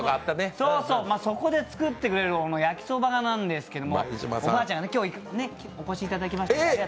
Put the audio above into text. そこで作ってくれる焼きそばなんですけど、今日はお越しいただきました。